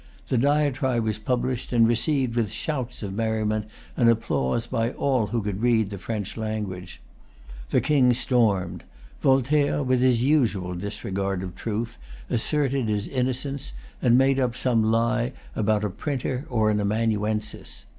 The Diatribe was published, and received with shouts of merriment and applause by all who could read the French language. The King stormed. Voltaire, with his usual disregard of truth, asserted his innocence,[Pg 291] and made up some lie about a printer or an amanuensis.